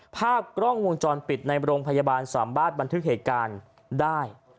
ภาพกล้องวงจรปิดในโรงพยาบาลสามารถบันทึกเหตุการณ์ได้